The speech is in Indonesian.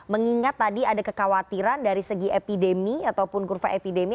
mengingat tadi ada kekhawatiran dari segi epidemi ataupun kurva epidemi